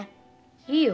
いいよ。